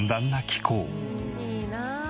いいな。